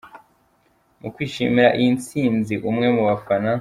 Mu kwishimira iyi ntsinzi, umwe mu bafana